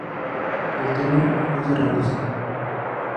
El torno va cerrándose.